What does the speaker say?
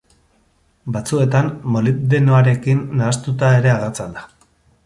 Batzuetan molibdenoarekin nahastua ere agertzen da.